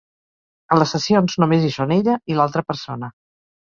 A les sessions només hi són ella i l'altra persona.